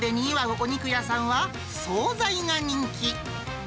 お肉屋さんは、総菜が人気。